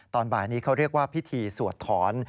ตอนบ่ายนี้เขาเรียกว่าพิธีสวดถอน